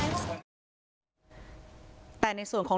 นายพงพัฒน์อายุ๒๒ปีหนุ่มคนสนิทของน้องดาวก็๒ขอหาเหมือนกันค่ะ